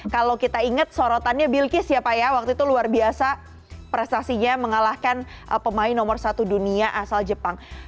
kalau kita ingat sorotannya bilkis ya pak ya waktu itu luar biasa prestasinya mengalahkan pemain nomor satu dunia asal jepang